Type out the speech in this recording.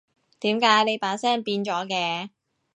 點解你把聲變咗嘅？